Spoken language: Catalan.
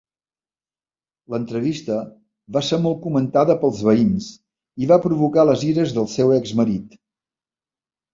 L'entrevista va ser molt comentada pels veïns i va provocar les ires del seu exmarit.